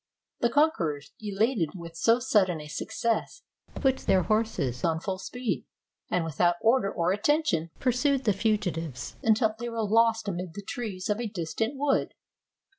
The conquerors, elated with so sudden a success, put their horses on full speed, and without order or attention pursued the fugitives until they were lost amid the trees of a distant wood.